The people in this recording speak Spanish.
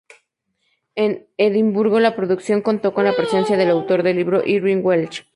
En Edimburgo, la producción contó con la presencia del autor del libro, Irvine Welsh.